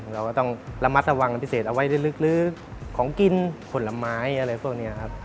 เราก็ต้องระมัดระวังเป็นพิเศษเอาไว้ลึกของกินผลไม้อะไรพวกนี้ครับ